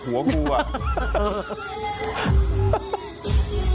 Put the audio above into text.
หกไปหกไปแบบว่าแล้วก็หงายกลับมาเนี่ย